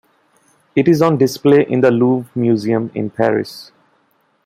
It is on display in the Louvre Museum in Paris.